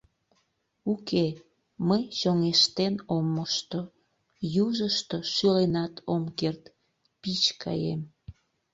— Уке, мый чоҥештен ом мошто, южышто шӱленат ом керт, пич каем.